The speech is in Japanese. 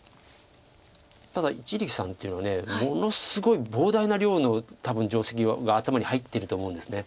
ただ一力さんというのはものすごい膨大な量の多分定石が頭に入ってると思うんです。